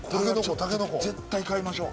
簑買いましょう。